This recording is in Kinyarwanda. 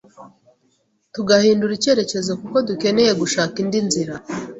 tugahindura icyerekezo kuko dukeneye gushaka indi nzira,